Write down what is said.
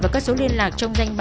cô biết không